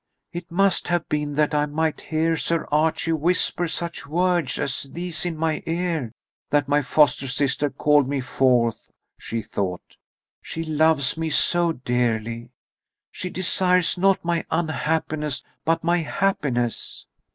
"It must have been that I might hear Sir Archie whisper such words as these in my ear that my foster sister called me forth," she thought. "She loves me so dearly. She desires not my unhappiness but my happiness."